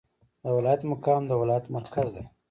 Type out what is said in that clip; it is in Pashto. د ولایت مقام د ولایت مرکز دی